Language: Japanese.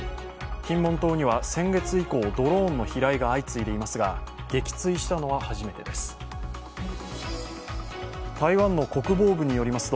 金門島には先月以降、ドローンの飛来が相次いでいますが撃墜したのは初めてです。